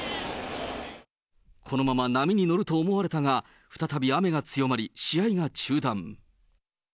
このまま波に乗ると思われたが、再び雨が強まり、試合が中断。